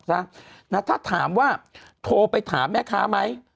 ถ้าถามว่าโทรไปถามแม่ค้าไหม